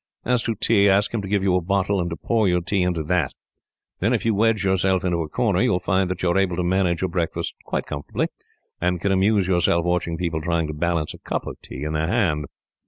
As to tea, ask him to give you a bottle and to pour your tea into that; then, if you wedge yourself into a corner, you will find that you are able to manage your breakfast comfortably, and can amuse yourself watching people trying to balance a cup of tea in their hand."